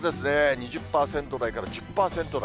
２０％台から１０％台。